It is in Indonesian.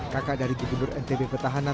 kakak dari gubernur ntb petahana